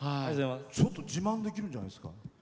自慢できるんじゃないですか。